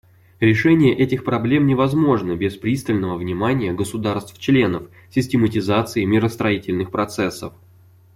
Решение этих проблем невозможно без пристального внимания государств-членов, систематизации миростроительных процессов.